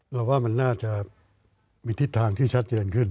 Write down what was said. เราว่ามันน่าจะมีทิศทางที่ชัดเจนขึ้น